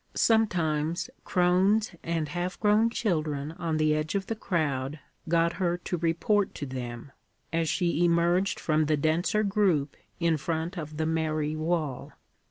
Sometimes crones and half grown children on the edge of the crowd got her to report to them, as she emerged from the denser group in front of the mairie wall.